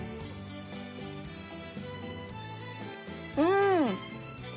うん！